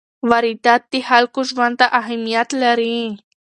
واردات د خلکو ژوند ته اهمیت لري.